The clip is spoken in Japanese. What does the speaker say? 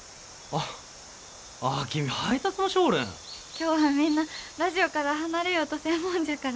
今日はみんなラジオから離れようとせんもんじゃから。